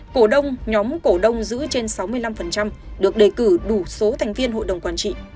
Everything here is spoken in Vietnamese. cổ đông nhóm cổ đông giữ trên sáu mươi năm được đề cử đủ số thành viên hội đồng quản trị